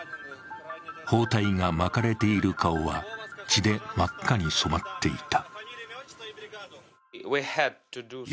包帯が巻かれている顔は血で真っ赤に染まっていた。